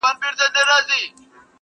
گواکي موږ به تل له غم سره اوسېږو،